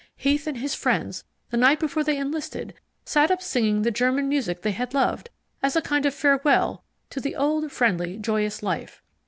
Heath and his friends, the night before they enlisted, sat up singing the German music they had loved, as a kind of farewell to the old, friendly joyous life.